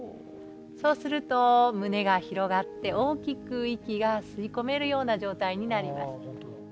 そうすると胸が広がって大きく息が吸い込めるような状態になります。